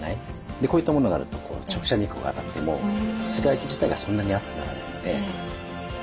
こういったものがあると直射日光が当たっても室外機自体がそんなに熱くならないんで。